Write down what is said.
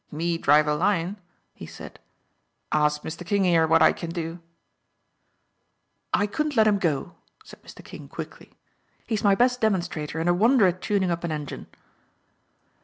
"Me drive a Lion?" he said. "Ask Mr. King 'ere what I can do." "I couldn't let him go," said Mr. King quickly. "He is my best demonstrator and a wonder at tuning up an engine."